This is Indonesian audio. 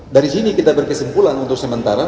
dari sini kita berkesimpulan untuk sementara